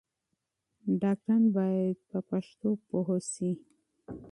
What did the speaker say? ډاکټران بايد په پښتو پوه شي.